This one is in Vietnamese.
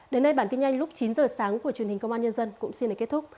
đến nay bản tin nhanh lúc chín h sáng của truyền hình công an nhân dân cũng xin kết thúc